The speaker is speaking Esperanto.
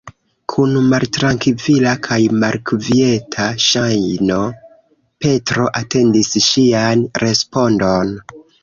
Kun maltrankvila kaj malkvieta ŝajno Petro atendis ŝian respondon.